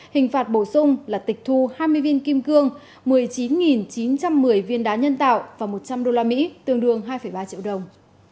hình phạt bổ sung là tịch thu hai mươi viên kim cương một mươi chín chín trăm một mươi viên đá nhân tạo và một trăm linh usd tương đương hai ba triệu đồng